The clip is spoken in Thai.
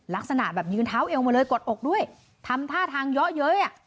ลักษณะแบบยืนเท้าเอวมาเลยกดอกด้วยทำท่าทางเยอะเย้ยอ่ะ